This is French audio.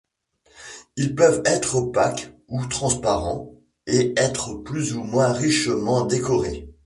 Ils peuvent être opaques ou transparents, et être plus ou moins richement décorés.